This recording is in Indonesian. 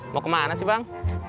mau kemana sih bang